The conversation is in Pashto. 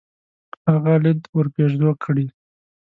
هغه ليد ورپېرزو کړي.